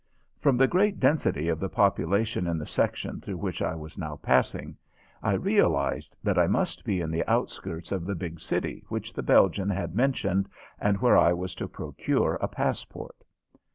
From the greater density of the population in the section through which I was now passing I realized that I must be in the outskirts of the big city which the Belgian had mentioned and where I was to procure a passport.